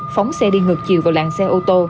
phóng xe đi ngược chiều vào làng xe ô tô